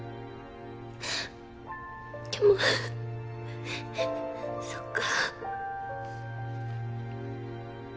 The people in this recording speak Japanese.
でもそっか。